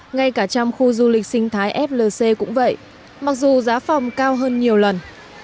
ngay cả trong khu du lịch sinh thái flc cũng vậy mặc dù giá phòng cao hơn nhiều lần